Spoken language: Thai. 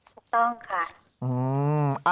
ถูกต้องค่ะ